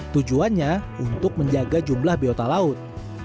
tujuannya untuk menjaga jumlah biota laut